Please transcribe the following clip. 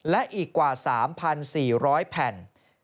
และอีกกว่า๓๔๐๐แผ่น